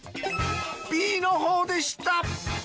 Ｂのほうでした。